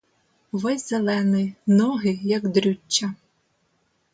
Увесь зелений, ноги як дрюччя.